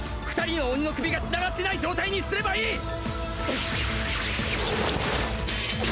２人の鬼の首がつながってない状態にすればいい！